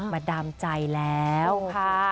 มาดามใจแล้วค่ะ